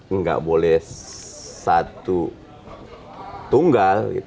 enggak bergantung sama apa yang di luar itu penonton harus berkomentar